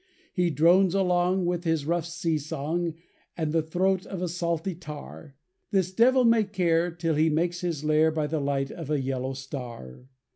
He drones along with his rough sea song And the throat of a salty tar, This devil may care, till he makes his lair By the light of a yellow star.